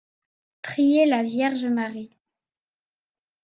Prier la Vierge Marie.